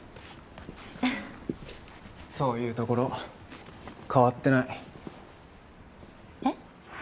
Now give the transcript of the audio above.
フフッそういうところ変わってないえっ？